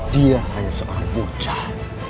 dia hanya seorang bocah